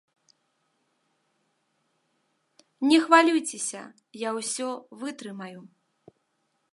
Не хвалюйцеся, я усе вытрымаю.